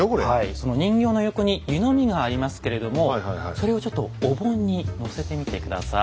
その人形の横に湯飲みがありますけれどもそれをちょっとお盆にのせてみて下さい。